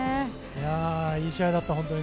いい試合だった。